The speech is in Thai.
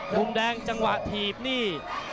มุมแดงจังหวะถีบนี่